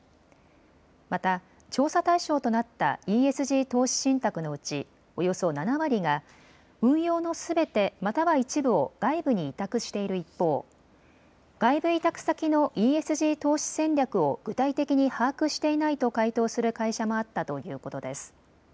また調査対象となったＥＳＧ投資信託のうちおよそ７割が運用のすべてまたは一部を外部に委託している一方、外部委託先のＥＳＧ投資戦略を具体的に把握していないと回答する会社もあったということです。